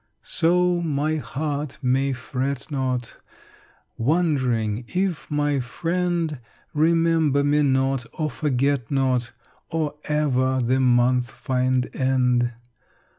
So my heart may fret not, Wondering if my friend Remember me not or forget not Or ever the month find end.